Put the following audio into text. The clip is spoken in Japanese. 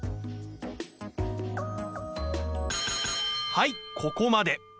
はいここまで。